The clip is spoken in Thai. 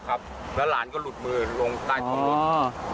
แล้วหลานก็หลุดมือลงใต้ท้องรถ